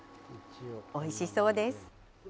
おいしそうです。